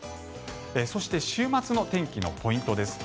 そして週末の天気のポイントです。